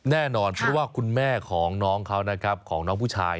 แน่นอนเพราะว่าคุณแม่ของน้องเขานะครับของน้องผู้ชาย